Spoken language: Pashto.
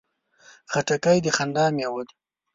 خټکی د خندا مېوه ده.